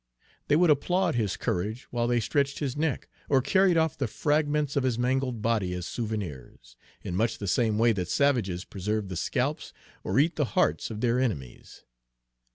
They would applaud his courage while they stretched his neck, or carried off the fragments of his mangled body as souvenirs, in much the same way that savages preserve the scalps or eat the hearts of their enemies.